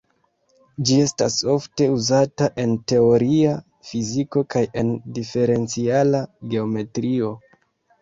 Ĝi estas ofte uzata en teoria fiziko kaj en diferenciala geometrio.